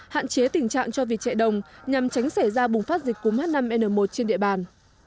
hạn chế tình trạng cho vịt chạy đồng nhằm tránh xảy ra bùng phát dịch cúm h năm n một trên địa bàn